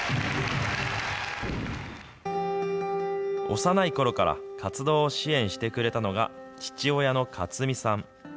幼いころから活動を支援してくれたのが父親の一美さん。